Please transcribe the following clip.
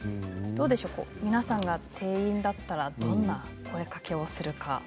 どうでしょう皆さんが店員だったらどんな声がけをするか。